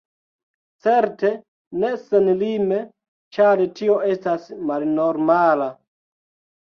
Certe ne senlime, ĉar tio estas malnormala.